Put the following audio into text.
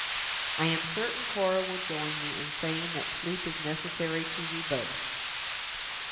I am certain Cora will join me in saying that sleep is necessary to you both."